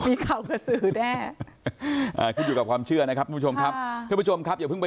มีข่าวกระสือแน่ขึ้นอยู่กับความเชื่อนะครับคุณผู้ชมครับ